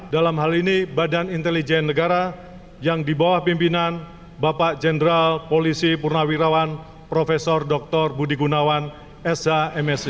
dalam hal ini badan intelijen negara yang di bawah pimpinan bapak jenderal polisi purnawirawan prof dr budi gunawan shmsi